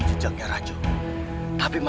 tak ada kasus